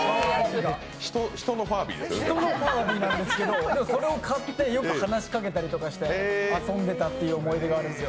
人のファービーなんですけど、それを買ってよく話しかけたりして遊んでいたっていう思い出があるんですよ。